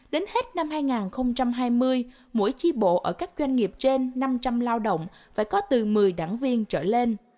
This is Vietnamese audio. đến hết năm hai nghìn hai mươi mỗi chi bộ ở các doanh nghiệp trên năm trăm linh lao động phải có từ một mươi đảng viên trở lên